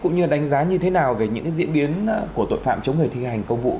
cũng như đánh giá như thế nào về những diễn biến của tội phạm chống người thi hành công vụ